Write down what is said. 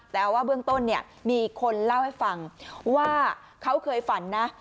แต่ว่าเบื้องต้นเนี่ยมีคนเล่าให้ฟังว่าเขาเคยฝันนะ